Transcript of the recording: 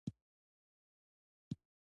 چرګان د افغانانو ژوند اغېزمن کوي.